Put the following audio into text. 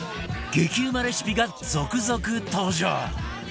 激うまレシピが続々登場